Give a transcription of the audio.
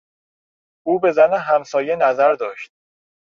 او به زن همسایه نظر داشت.